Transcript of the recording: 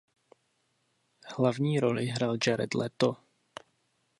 Hlavní roli hrál Jared Leto.